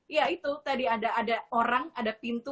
ya itu tadi ada orang ada pintu